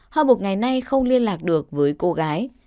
họ một ngày nay không liên lạc được với cô gái